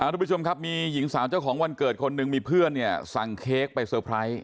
ทุกผู้ชมครับมีหญิงสาวเจ้าของวันเกิดคนหนึ่งมีเพื่อนเนี่ยสั่งเค้กไปเตอร์ไพรส์